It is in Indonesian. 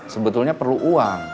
sebetulnya perlu uang